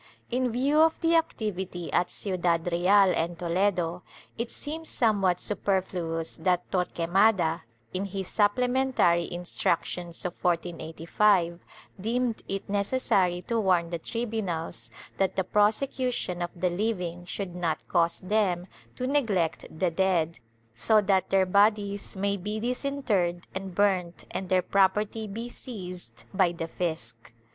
^ In view of the activity at Ciudad Real and Toledo, it seems somewhat superfluous that Torquemada, in his supplementary Instructions of 1485, deemed it necessary to warn the tribunals that the prosecution of the living should not cause them to neglect the dead, so that their bodies may be disinterred and burnt and their property be seized by the fisc.